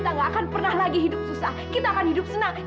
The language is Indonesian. kita gak akan pernah lagi hidup susah kita akan hidup senang